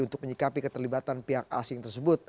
untuk menyikapi keterlibatan pihak asing tersebut